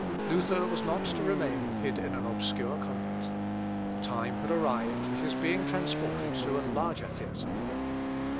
Luther was not to remain hid in an obscure convent. The time had arrived for his being transported to a larger theatre.